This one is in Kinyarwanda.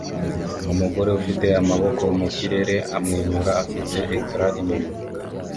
Umugore ufite amaboko mu kirere amwenyura afite ecran inyuma